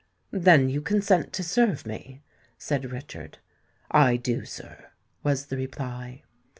"Then you consent to serve me?" said Richard. "I do, sir," was the reply.